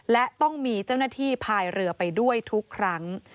และต้องมีเจ้าหน้าที่พายเรือไปด้วยทุกครั้ง